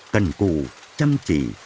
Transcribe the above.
cần cụ chăm chỉ